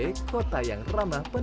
yang berpengen menjalan ke jepang